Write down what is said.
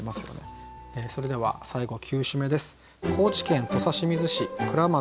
それでは最後９首目です。